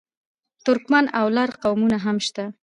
ترکمن او لر قومونه هم شته.